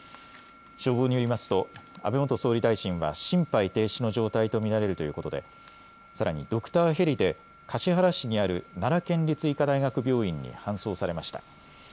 消防によりますと安倍元総理大臣は心肺停止の状態と見られるということでさらにドクターヘリで橿原市にある奈良県立医科大学病院に搬送されました。